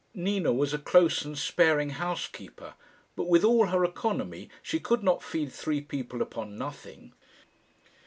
Nina was a close and sparing housekeeper, but with all her economy she could not feed three people upon nothing.